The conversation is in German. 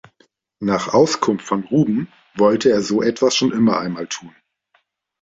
Nach Auskunft von Ruben wollte er so etwas schon immer einmal tun.